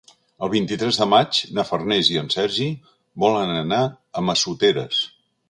El vint-i-tres de maig na Farners i en Sergi volen anar a Massoteres.